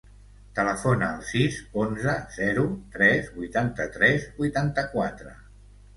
Telefona al sis, onze, zero, tres, vuitanta-tres, vuitanta-quatre.